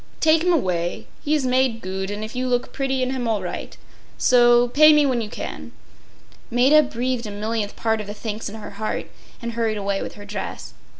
Take him away. He is made goot; and if you look bretty in him all right. So. Pay me when you can.” Maida breathed a millionth part of the thanks in her heart, and hurried away with her dress.